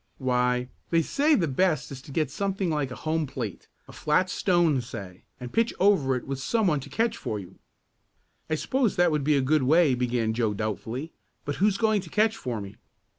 "Why, they say the best is to get something like a home plate a flat stone say and pitch over it with some one to catch for you." "I suppose that would be a good way," began Joe doubtfully, "but who's going to catch for me?"